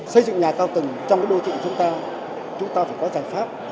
xây dựng nhà cao tầng trong đô thị chúng ta chúng ta phải có giải pháp